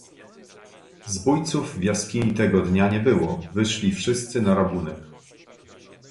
"Zbójców w jaskini tego dnia nie było: wyszli wszyscy na rabunek."